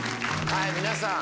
はい皆さん